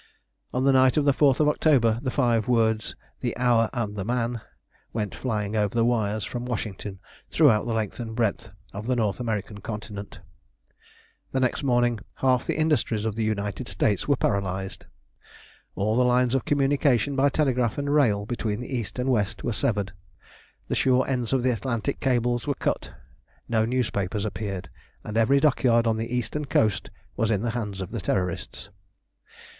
On the night of the 4th of October the five words: "The hour and the man," went flying over the wires from Washington throughout the length and breadth of the North American Continent. The next morning half the industries of the United States were paralysed; all the lines of communication by telegraph and rail between the east and west were severed, the shore ends of the Atlantic cables were cut, no newspapers appeared, and every dockyard on the eastern coast was in the hands of the Terrorists.